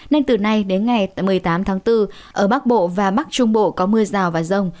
nên từ nay đến ngày một mươi tám tháng bốn ở bắc bộ và bắc trung bộ có mưa rào và rông